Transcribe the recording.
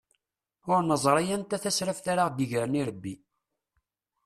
Ur neẓri anta tasraft ara aɣ-d-igren irebbi.